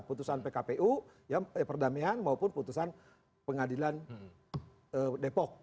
putusan pkpu perdamaian maupun putusan pengadilan depok